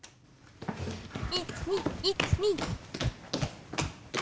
１２１２。